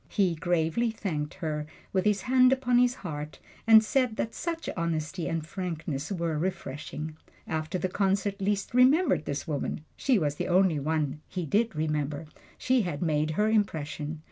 He gravely thanked her, with his hand upon his heart, and said that such honesty and frankness were refreshing. After the concert Liszt remembered this woman she was the only one he did remember she had made her impression.